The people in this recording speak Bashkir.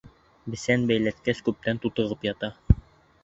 Бесән бәйләткәс күптән тутығып ята.